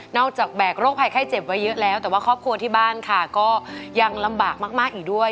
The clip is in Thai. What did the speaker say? จากแบกโรคภัยไข้เจ็บไว้เยอะแล้วแต่ว่าครอบครัวที่บ้านค่ะก็ยังลำบากมากอีกด้วย